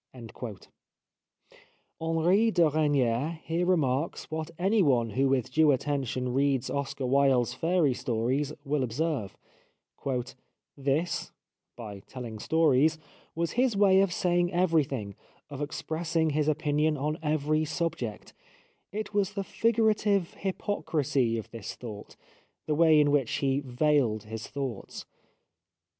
Henri de Regnier here remarks what anyone who with due attention reads Oscar Wilde's fairy stories will observe :— "This" (by telling stories) "was his way of saying everything, of expressing his opinion on every subject : it was the figurative hypocrisy of this thought " (the way in which he veiled his thoughts)